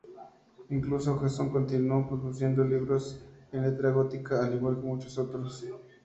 Incluso Jenson continuó produciendo libros en letra gótica, al igual que muchos otros.